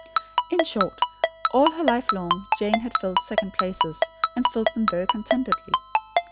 In short, all her life long Jane had filled second places, and filled them very contentedly.